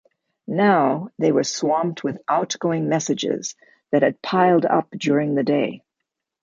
Now they were swamped with outgoing messages that had piled up during the day.